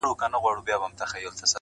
• چي سبا او بله ورځ اوبه وچیږي -